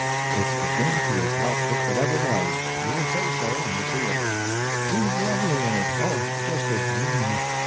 It's the daintiest outfit that ever was—you will say so, when you see it. She's lovely in it—oh, just a dream!